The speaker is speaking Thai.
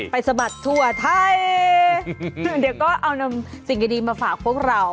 สะบัดทั่วไทยเดี๋ยวก็เอานำสิ่งดีมาฝากพวกเรา